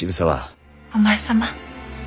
お前様。